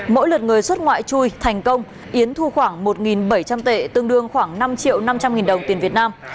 mỗi lượt người xuất ngoại chui thành công yến thu khoảng một bảy trăm linh tệ tương đương khoảng năm triệu năm trăm linh nghìn đồng tiền việt nam